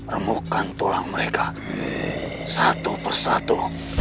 remuhkan tulang mereka satu persatu